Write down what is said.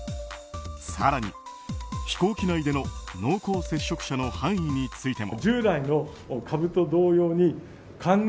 更に、飛行機内での濃厚接触者の範囲についても。